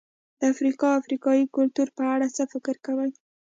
د افریقا او افریقایي کلتور په اړه څه فکر کوئ؟